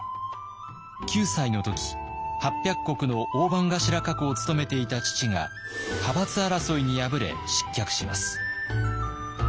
９歳の時８００石の大番頭格を務めていた父が派閥争いに敗れ失脚します。